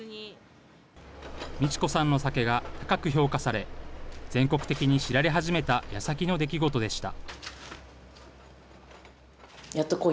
美智子さんの酒が高く評価され、全国的に知られ始めたやさきの出来事でした。